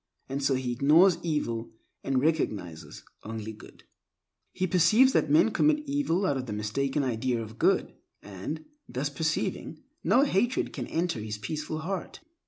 And so he ignores evil and recognizes only good. He perceives that men commit evil out of the mistaken idea of good, and, thus perceiving, no hatred against any can enter his peaceful heart.